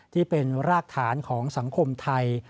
ที่เป็นรากฐานของสังคมไทย